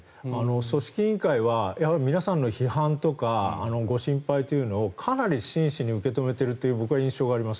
組織委員会は皆さんの批判とかご心配というのをかなり真摯に受け止めているという僕は印象があります。